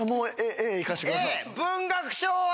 Ａ文学賞は？